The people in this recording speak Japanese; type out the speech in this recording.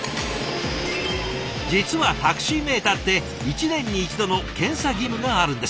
実はタクシーメーターって１年に１度の検査義務があるんです。